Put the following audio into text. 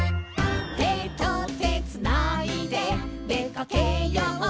「手と手つないででかけよう」